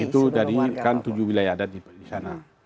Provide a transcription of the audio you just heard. itu dari kan tujuh wilayah adat di sana